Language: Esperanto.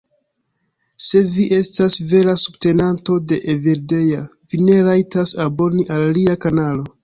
Se vi estas vera subtenanto de Evildea, vi ne rajtas aboni al lia kanalo